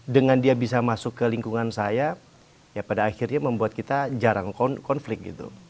dengan dia bisa masuk ke lingkungan saya ya pada akhirnya membuat kita jarang konflik gitu